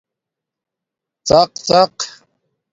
ڎق ڎق